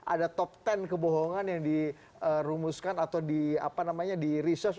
ada top sepuluh kebohongan yang dirumuskan atau di research